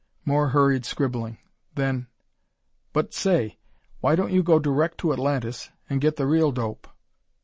More hurried scribbling, then: "But, say why don't you go direct to Atlantis and get the real dope?"